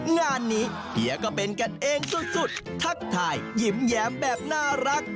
งานนี้เฮียก็เป็นกันเองสุดทักทายยิ้มแย้มแบบน่ารัก